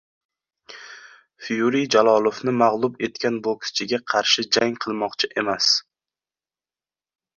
Fyuri Jalolovni mag‘lub etgan bokschiga qarshi jang qilmoqchi emas